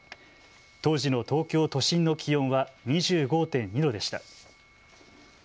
当時の東京都心の気温は２５．２度でした。